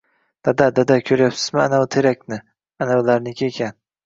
Dada, dada, koʻryapsizmi anavi terakni? Anavilarniki ekan.